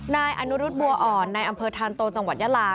นายอนุรุษบัวอ่อนในอำเภอทานโตจังหวัดยาลา